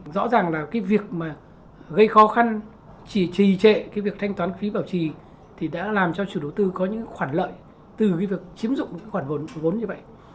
rõ ràng là cái việc mà gây khó khăn chỉ trì trệ cái việc thanh toán phí bảo trì thì đã làm cho chủ đầu tư có những khoản lợi từ cái việc chiếm dụng những khoản vốn như vậy